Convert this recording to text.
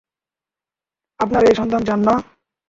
আপনারা এই সন্তান চান না?